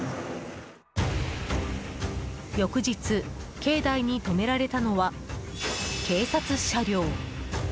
翌日、境内に止められたのは警察車両。